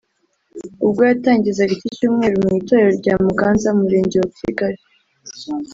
ubwo yatangizaga iki cyumweru mu itorero rya Muganza mu Murenge wa Kigali